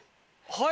はい。